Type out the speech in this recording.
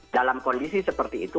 dalam kondisi seperti itu